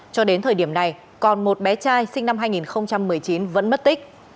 cho đến thời điểm này còn một bé trai sinh năm hai nghìn một mươi chín vẫn mất tích